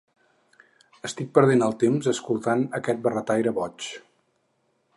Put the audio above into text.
Estic perdent el temps escoltant aquest barretaire boig.